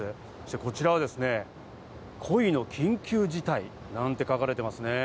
こちらは恋の緊急事態なんて書かれています。